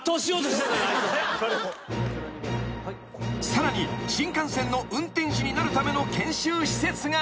［さらに新幹線の運転士になるための研修施設が］